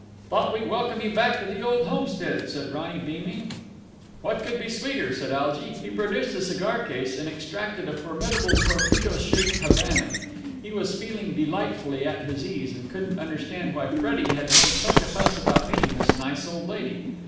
"Thought we'd welcome you back to the old homestead," said Ronny beaming. "What could be sweeter?" said Algy. He produced a cigar case, and extracted a formidable torpedo shaped Havana. He was feeling delightfully at his ease, and couldn't understand why Freddie had made such a fuss about meeting this nice old lady.